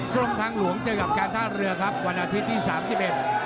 กรมทางหลวงเจอกับการท่าเรือครับวันอาทิตย์ที่สามสิบเอ็ด